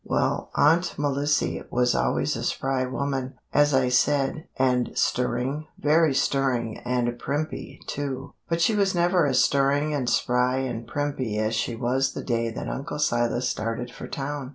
"Well, Aunt Melissy was always a spry woman, as I said, and stirring very stirring, and primpy, too. But she was never as stirring and spry and primpy as she was the day that Uncle Silas started for town.